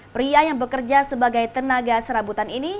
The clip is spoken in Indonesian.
pria yang bekerja sebagai tenaga serabutan ini